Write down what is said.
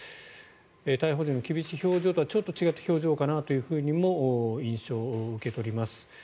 逮捕時の厳しい表情とはちょっと違った表情かなという印象を受け取ります。